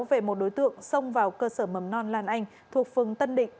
về một đối tượng xông vào cơ sở mầm non lan anh thuộc phường tân định